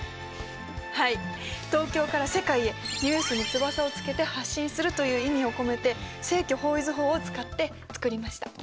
はい東京から世界へニュースに翼をつけて発信するという意味を込めて正距方位図法を使って作りました。